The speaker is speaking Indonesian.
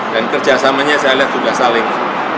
dan kerjasamanya saya lihat juga saling